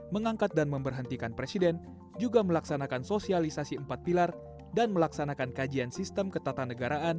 mengangkat dan memberhentikan presiden juga melaksanakan sosialisasi empat pilar